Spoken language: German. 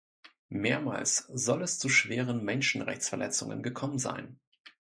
Mehrmals soll es zu schweren Menschenrechtsverletzungen gekommen sein.